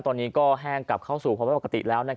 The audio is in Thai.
ตอนนี้แห้งกลับเข้าสู่พบกับปกติแล้ว